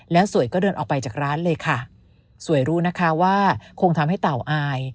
แล้วสวยก็เดินออกไปจากร้านเลยค่ะสวยรู้นะคะว่าคงทำให้เต่าอาย